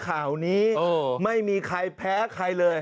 ข่าวนี้ไม่มีใครแพ้ใครเลย